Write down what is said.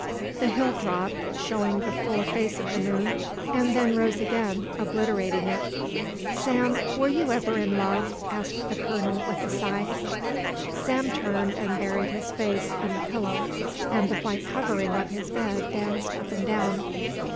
The hill dropped, showing the full face of the moon, and then rose again obliterating it. "Sam, were you ever in love?" asked the colonel, with a sigh. Sam turned and buried his face in the pillow and the white covering of his bed danced up and down.